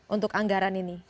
untuk anggaran ini